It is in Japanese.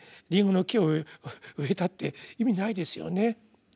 リンゴの木を植えたって意味ないですよね。